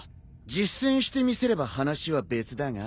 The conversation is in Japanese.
実践してみせれば話は別だが。